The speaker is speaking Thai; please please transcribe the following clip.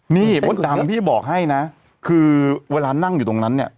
นี่มดดำพี่บอกให้นะคือเวลานั่งอยู่ตรงนั้นเนี่ย